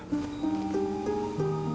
apalagi perempuan satu satunya